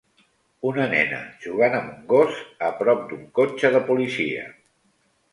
Una nena jugant amb un gos a prop d'un cotxe de policia.